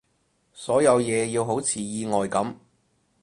所有嘢要好似意外噉